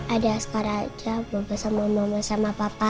ada sekarang aja mau bersama sama sama papa